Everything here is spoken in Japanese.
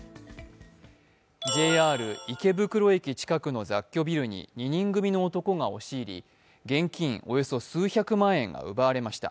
ＪＲ池袋駅近くの雑居ビルに２人組の男が押し入り、現金およそ数百万円が奪われました。